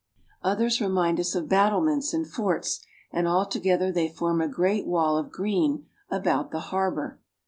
Others remind us of battlements and forts, and all together they form a great wall of green about the harbor.